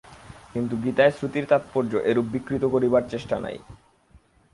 কিন্তু গীতায় শ্রুতির তাৎপর্য এরূপ বিকৃত করিবার চেষ্টা নাই।